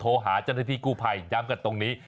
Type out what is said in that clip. หาเจ้าหน้าที่กู้ภัยย้ำกันตรงนี้